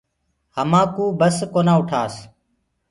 همآ ڪوُ بس ڪوآ اُٺاس۔